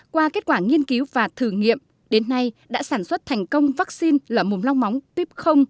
qua kết quả nghiên cứu và thử nghiệm đến nay đã sản xuất thành công vaccine lở mồm long móng tuyếp